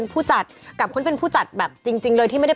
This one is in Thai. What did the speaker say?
คุณหน่อยบุษกรคุณเคนธิระเดช